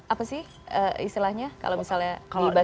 apa sih istilahnya kalau misalnya di basket posisinya apa